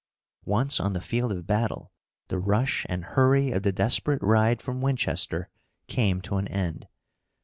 Once on the field of battle, the rush and hurry of the desperate ride from Winchester came to an end.